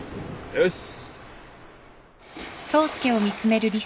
よし。